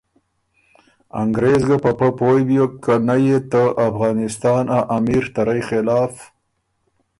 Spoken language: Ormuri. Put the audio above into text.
انګرېز ګه په پۀ پویٛ بیوک که نۀ يې ته افغانِستان ا امیر ته رئ خلاف